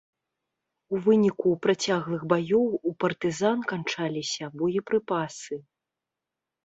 У выніку працяглых баёў у партызан канчаліся боепрыпасы.